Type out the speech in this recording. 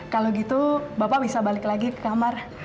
kalau gitu bapak bisa balik lagi ke kamar